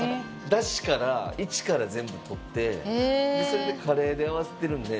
だしからイチから全部とってそれでカレーで合わせてるんで。